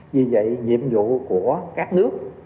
vì vậy nhiệm vụ của các nước